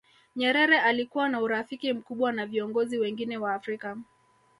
nyerere alikuwa na urafiki mkubwa na viongozi wengine wa afrika